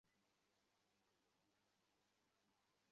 তারমধ্যে ওই নতুন মেয়ে অবস্থা আরো খারাপ করে দিয়েছে!